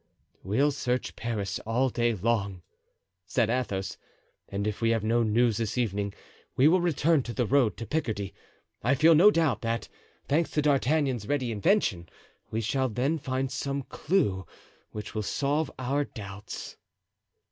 "We'll search Paris all day long," said Athos, "and if we have no news this evening we will return to the road to Picardy; and I feel no doubt that, thanks to D'Artagnan's ready invention, we shall then find some clew which will solve our doubts."